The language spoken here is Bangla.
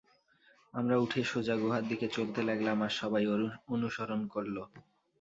আমরা উঠে সোজা গুহার দিকে চলতে লাগলাম আর সবাই অনুসরণ করল।